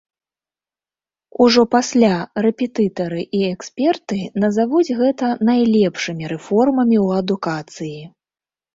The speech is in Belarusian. Ужо пасля рэпетытары і эксперты назавуць гэта найлепшымі рэформамі ў адукацыі.